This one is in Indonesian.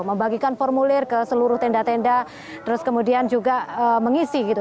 membagikan formulir ke seluruh tenda tenda terus kemudian juga mengisi gitu